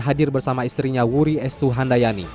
hadir bersama istrinya wuri estu handayani